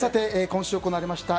今週行われました